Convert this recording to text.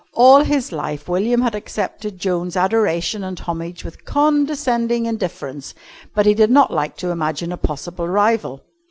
All his life, William had accepted Joan's adoration and homage with condescending indifference, but he did not like to imagine a possible rival.